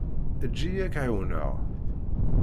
Eǧǧ-iyi ad k-ɛiwneɣ.